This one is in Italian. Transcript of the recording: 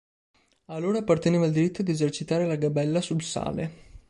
A loro apparteneva il diritto di esercitare la gabella sul sale.